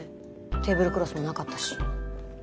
テーブルクロスもなかったし。